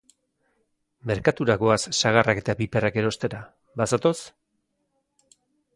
Merkatura goaz sagarrak eta piperrak erostera. Bazatoz?